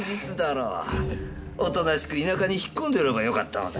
おとなしく田舎に引っ込んでおればよかったのだ。